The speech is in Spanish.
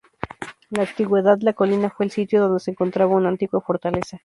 En la antigüedad, la colina fue el sitio donde se encontraba una antigua fortaleza.